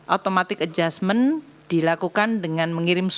otomatis adjustment dilakukan dengan mengirim surat ke dua